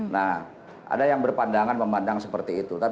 nah ada yang berpandangan memandang seperti itu